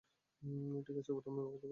ঠিকাছে, বোতামের কথা বাদ।